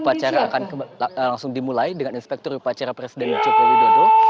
upacara akan langsung dimulai dengan inspektur upacara presiden joko widodo